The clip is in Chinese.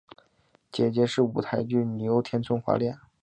姐姐是舞台剧女优田村花恋。